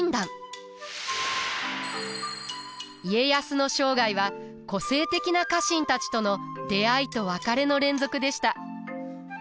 家康の生涯は個性的な家臣たちとの出会いと別れの連続でした。